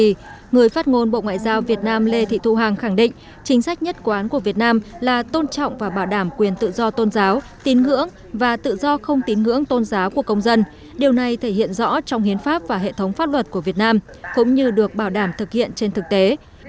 vì vậy người phát ngôn bộ ngoại giao việt nam lê thị thu hằng khẳng định chính sách nhất quán của việt nam là tôn trọng và bảo đảm quyền tự do tôn giáo tín ngưỡng và tự do không tín ngưỡng tôn giáo của công dân điều này thể hiện rõ trong hiến pháp và hệ thống pháp luật của việt nam cũng như được bảo đảm thực hiện trên thực tế